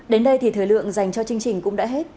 đến đây thì thời lượng dành cho chương trình cũng đã hết